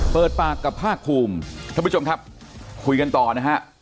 เปิดปากกับภาคภูมิท่านผู้ชมครับคุยกันต่อนะฮะ